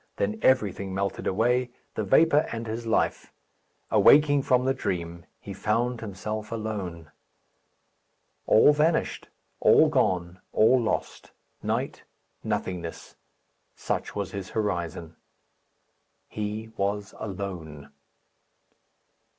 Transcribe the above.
Then everything melted away, the vapour and his life. Awaking from the dream, he found himself alone. All vanished, all gone, all lost night nothingness. Such was his horizon. He was alone.